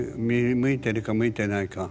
向いてるか向いてないか。